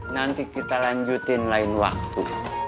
nanti kita lanjutin lain waktu